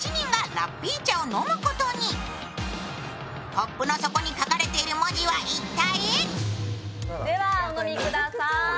コップの底に書かれている文字は一体？